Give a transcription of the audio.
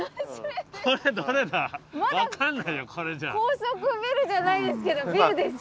高層ビルじゃないですけどビルですよ。